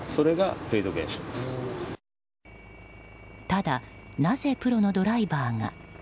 ただ、なぜプロのドライバーが。